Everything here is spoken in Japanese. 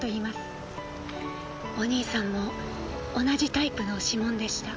お兄さんも同じタイプの指紋でした。